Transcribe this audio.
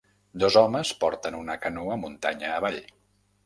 Dos homes porten una canoa muntanya avall.